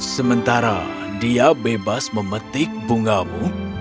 sementara dia bebas memetik bungamu